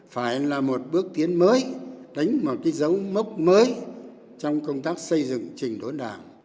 phải là một bước tiến mới đánh một cái dấu mốc mới trong công tác xây dựng trình đốn đảng